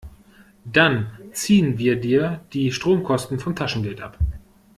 Dann ziehen wir dir die Stromkosten vom Taschengeld ab.